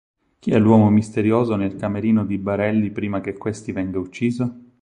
Chi è l'uomo misterioso nel camerino di Barelli prima che questi venga ucciso?